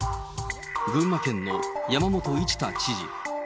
群馬県の山本一太知事。